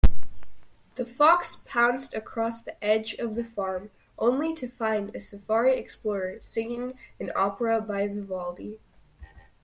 The fox pounced across the edge of the farm, only to find a safari explorer singing an opera by Vivaldi.